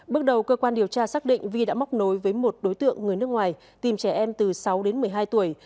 bước đầu cơ quan điều tra xác định vi đã móc nối với một đối tượng người nước ngoài tìm trẻ em từ sáu đến một mươi hai tuổi